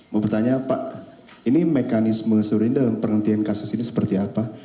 mau bertanya pak ini mekanisme seuruhnya dalam penghentian kasus ini seperti apa